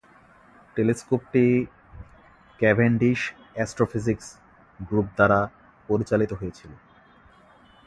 টেলিস্কোপটি Cavendish astrophysics group দ্বারা পরিচালিত হয়েছিল।